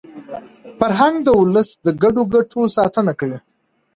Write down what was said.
فرهنګ د ولس د ګډو ګټو ساتنه کوي.